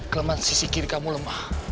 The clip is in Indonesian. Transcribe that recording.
kelemahan sisi kiri kamu lemah